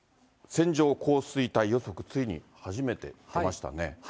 線状降水帯予測、ついに初めて出ましたね。